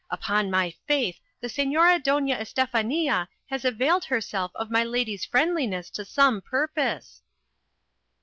Upon my faith, the señora Doña Estefania has availed herself of my lady's friendliness to some purpose!"